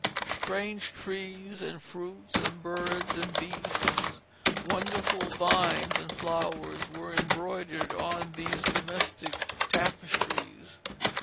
Strange trees and fruits and birds and beasts, wonderful vines and flowers, were embroidered on these domestic tapestries.